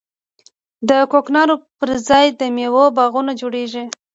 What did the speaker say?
د کوکنارو پر ځای د میوو باغونه جوړیږي.